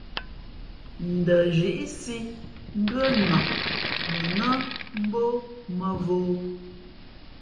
N ndαzhíʼsī mbʉ́ά nǎk mα nά mbō mᾱvǒ.